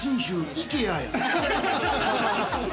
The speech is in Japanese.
ＩＫＥＡや。